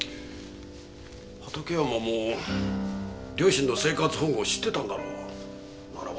畑山も両親の生活保護を知ってたんだろう？なら